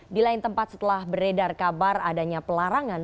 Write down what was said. di lain tempat setelah beredar kabar adanya pelarangan